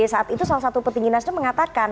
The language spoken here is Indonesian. saat itu salah satu petinggi nasdem mengatakan